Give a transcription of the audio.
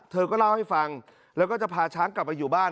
เธอก็เล่าให้ฟังแล้วก็จะพาช้างกลับไปอยู่บ้าน